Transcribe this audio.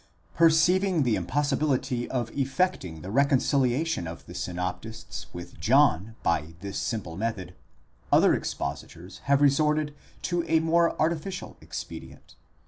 ® Perceiving the impossibility of effecting the reconciliation of the synoptists 'with John by this simple method, other expositors have resorted to a more artificial expedient.